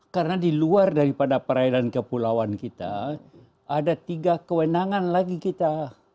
karena di luar daripada perairan kepulauan kita ada tiga kewenangan lagi kita